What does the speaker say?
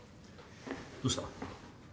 どうした？